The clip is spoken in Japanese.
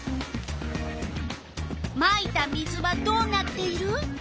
まいた水はどうなっている？